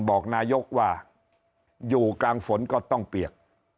บอกนายกว่าอยู่กลางฝนก็ต้องเปียก